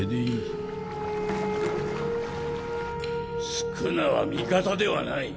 宿儺は味方ではない。